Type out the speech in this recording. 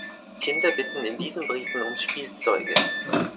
Kinder bitten in diesen Briefen um Spielzeuge.